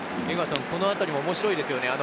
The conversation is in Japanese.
このあたりも面白いですよね。